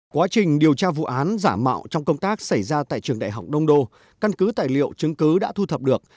quá trình điều tra vụ án giả mạo trong công tác xảy ra tại trường đại học đông đô căn cứ tài liệu chứng cứ đã thu thập được